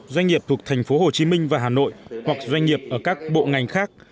doanh nghiệp thuộc tp hcm và hà nội hoặc doanh nghiệp ở các bộ ngành khác